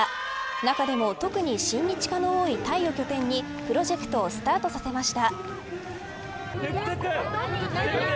中でも特に親日家の多いタイを拠点にプロジェクトをスタートさせました。